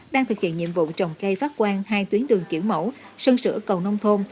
đang thực hiện nhiệm vụ trồng cây phát quan hai tuyến đường kiểu mẫu sơn sửa cầu nông thôn